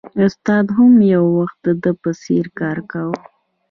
استاد هم یو وخت د ده په څېر کار کاوه